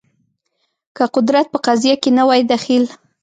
که قدرت په قضیه کې نه وای دخیل